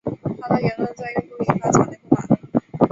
他的言论在印度引发强烈不满。